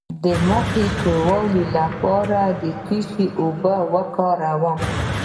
د مخ د توروالي لپاره د څه شي اوبه وکاروم؟